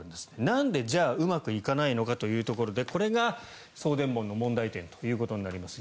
なんで、じゃあうまくいかないのかということでこれが送電網の問題点となります。